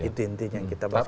itu intinya kita bahas